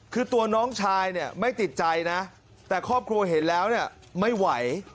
คือตัวน้องชายเนี่ยไม่ติดใจนะแต่ครอบครัวเห็นแล้วเนี่ยไม่ไหว